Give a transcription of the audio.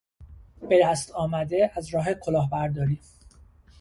به دست آمده از راه کلاهبرداری